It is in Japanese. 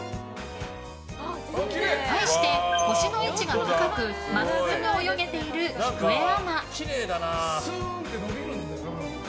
対して、腰の位置が高く真っすぐ泳げている、きくえアナ。